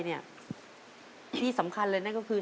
ขอเชยคุณพ่อสนอกขึ้นมาต่อชีวิตเป็นคนต่อไปครับ